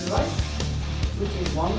untuk melakukan penelitian